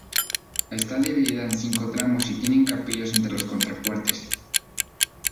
Está dividida en cinco tramos y tiene capillas entre los contrafuertes.